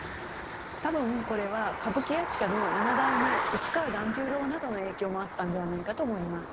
多分これは歌舞伎役者の７代目市川團十郎などの影響もあったんではないかと思います。